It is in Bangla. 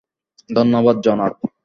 ধন্যবাদ, জনাব।